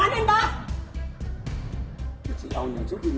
อาหารที่สุดท้าย